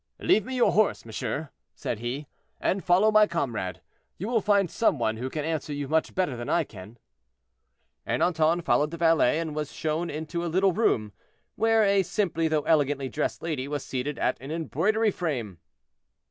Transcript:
"Leave me your horse, monsieur," said he, "and follow my comrade; you will find some one who can answer you much better than I can." Ernanton followed the valet, and was shown into a little room, where a simply though elegantly dressed lady was seated at an embroidery frame.